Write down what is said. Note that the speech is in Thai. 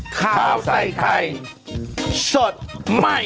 ข้าวใส่ไข่สดใหม่